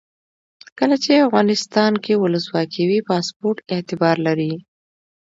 کله چې افغانستان کې ولسواکي وي پاسپورټ اعتبار لري.